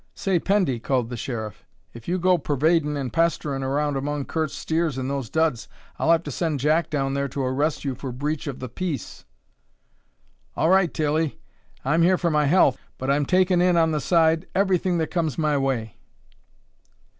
"Say, Pendy," called the Sheriff, "if you go pervadin' and pesterin' around among Curt's steers in those duds I'll have to send Jack down there to arrest you for breach of the peace." "All right, Tilly! I'm here for my health, but I'm takin' in on the side everything that comes my way!"